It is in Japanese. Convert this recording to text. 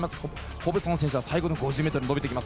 ホブソン選手は最後の５０ｍで伸びてくる。